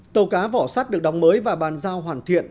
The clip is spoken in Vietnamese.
tàu cá vỏ sắt được đóng mới và bàn giao hoàn thiện